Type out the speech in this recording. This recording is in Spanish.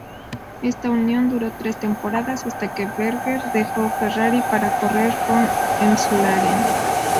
Esta unión duró tres temporadas, hasta que Berger dejó Ferrari para correr con McLaren.